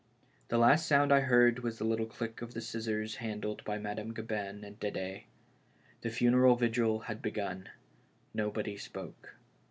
The last sound I heard was the little click of the scissors handled by Madame Gabin and D^de. The funeral vigil had begun ; nobody spoke.